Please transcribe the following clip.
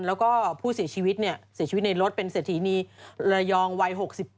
แล้วก็ผู้เสียชีวิตเสียชีวิตในรถเป็นเศรษฐีนีระยองวัย๖๘